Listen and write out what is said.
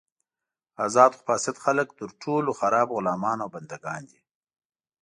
ازاد خو فاسد خلک تر ټولو خراب غلامان او بندګان دي.